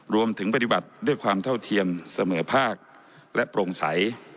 รวมถึงปฏิบัติด้วยความเท่าเทียมเสมอภาคและโปร่งใส